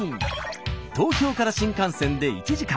東京から新幹線で１時間。